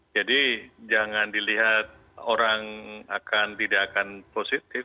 jadi jangan dilihat orang akan tidak akan positif